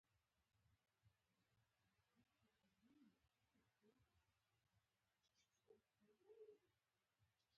دا اولادونه بیا هم جفت کېدلی شي.